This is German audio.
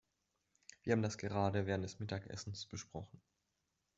Wir haben das gerade während des Mittagessens besprochen.